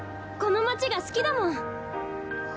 この街が好きだもん。